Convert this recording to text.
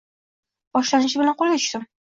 Boshlanishi bilan qo`lga tushdim